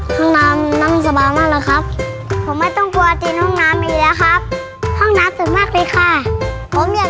มันน้ำสบายมากเลยนะครับผมไม่ต้องกลัวทีน่องน้ำไอล่ะครับห้องน้ำจะมากมีค่ะผมอยาก